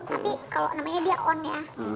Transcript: tapi kalau namanya dia on ya